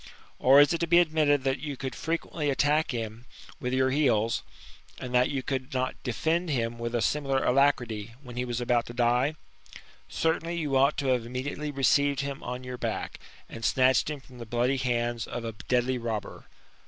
Or is it to be admitted, that you could frequently attack him with your heels, aj^d that you could not defend him with a similar alacrity, when he was about to die ? Certainly you ought to have immediately received him on your back, and snatched him from the bloody hands of a deadly robber.